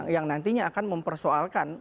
yang nantinya akan mempersoalkan